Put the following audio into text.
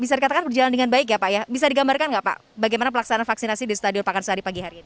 bisa dikatakan berjalan dengan baik ya pak ya bisa digambarkan nggak pak bagaimana pelaksanaan vaksinasi di stadion pakansari pagi hari ini